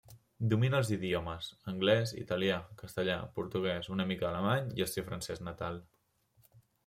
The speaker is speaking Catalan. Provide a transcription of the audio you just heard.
Domina els idiomes; anglès, italià, Castellà, portuguès, una mica d'alemany i el seu francès natal.